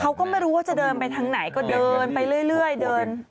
เขาก็ไม่รู้ว่าจะเดินไปทางไหนก็เดินไปเรื่อยเดิน